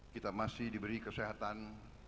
kita masih diberi kesehatan